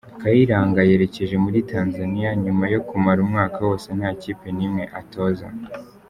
Kayiranga yerekeje muri Tanzania nyuma yo kumara umwaka wose nta kipe n'imwe atoza.